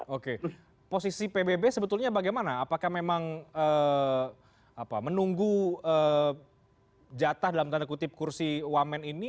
oke posisi pbb sebetulnya bagaimana apakah memang menunggu jatah dalam tanda kutip kursi wamen ini